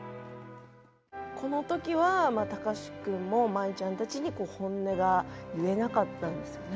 この時はまだ貴司君も舞ちゃんたちに本音が言えなかったんですよね。